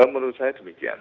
menurut saya demikian